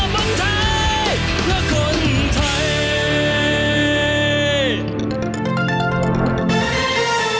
เพื่อคนไทย